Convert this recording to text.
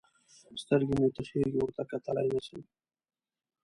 سترګې مې تخېږي؛ ورته کتلای نه سم.